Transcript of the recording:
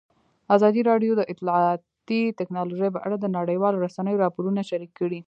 ازادي راډیو د اطلاعاتی تکنالوژي په اړه د نړیوالو رسنیو راپورونه شریک کړي.